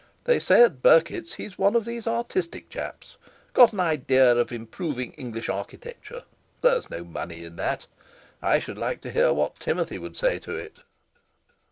They say at Burkitt's he's one of these artistic chaps—got an idea of improving English architecture; there's no money in that! I should like to hear what Timothy would say to it."